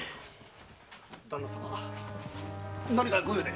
旦那様何か御用で？